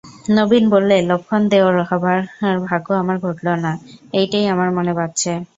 নবীন বললে, লক্ষ্মণ-দেওর হবার ভাগ্য আমার ঘটল না, এইটেই আমার মনে বাজছে।